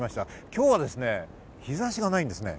今日は日差しがないんですね。